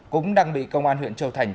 cũng đang bị công an huyện châu thành